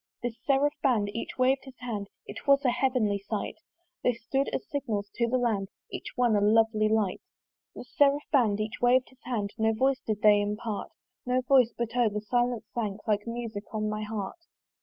This seraph band, each wav'd his hand: It was a heavenly sight: They stood as signals to the land, Each one a lovely light: This seraph band, each wav'd his hand, No voice did they impart No voice; but O! the silence sank, Like music on my heart.